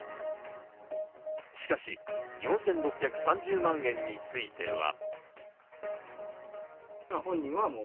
しかし４６３０万円については。